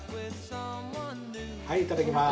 はいいただきます。